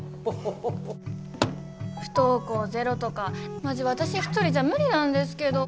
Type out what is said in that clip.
不登校ゼロとかマジわたし一人じゃ無理なんですけど。